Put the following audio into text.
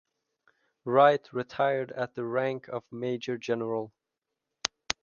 Wright retired at the rank of major general.